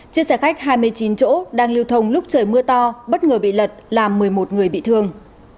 chiếc xe khách hai mươi chín chỗ đang lưu thông lúc trời mưa to bất ngờ bị lật làm một mươi một người bị thương